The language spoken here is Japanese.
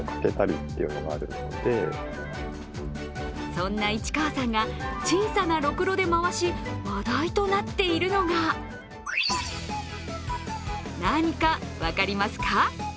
そんな市川さんが小さなろくろで回し話題となっているのが何か分かりますか？